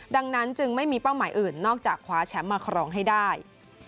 ดังนั้นจึงไม่มีเป้าหมายอื่นนอกจากคว้าแชมป์มาครองให้ได้